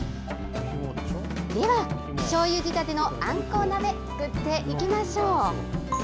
では、しょうゆ仕立てのあんこう鍋、作っていきましょう。